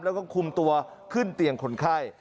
แล้วก็คุมตัวขึ้นเตียงคนไข้